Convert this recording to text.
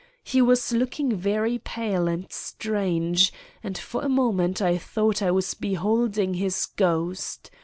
He was looking very pale and strange, and for a moment I thought I was beholding his ghost.